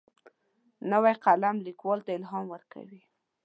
نوی قلم لیکوال ته الهام ورکوي